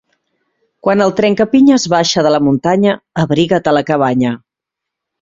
Quan el trencapinyes baixa de la muntanya, abriga't a la cabanya.